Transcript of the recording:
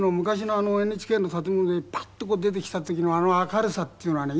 昔のＮＨＫの建物にパッと出てきた時のあの明るさっていうのはね